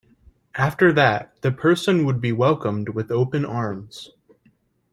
After that, the person would be welcomed with open arms.